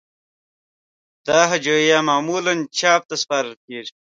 دا هجویه معمولاً چاپ ته سپارل کیږی.